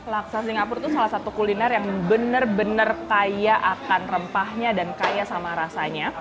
laksa singapura itu salah satu kuliner yang benar benar kaya akan rempahnya dan kaya sama rasanya